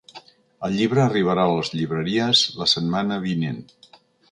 El llibre arribarà a les llibreries la setmana vinent.